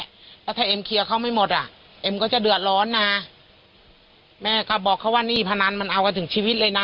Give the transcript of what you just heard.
แล้วถ้าเอ็มเคลียร์เขาไม่หมดอ่ะเอ็มก็จะเดือดร้อนนะแม่ก็บอกเขาว่าหนี้พนันมันเอากันถึงชีวิตเลยนะ